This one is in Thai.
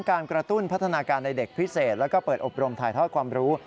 การกระตุ้นพัฒนาการในเด็กพิเศษแล้วก็เปิดอบรมถ่ายทอดความรู้